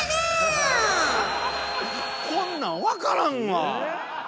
こんなん分からんわ！